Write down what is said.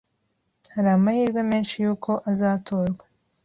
Hari amahirwe menshi yuko azatorwa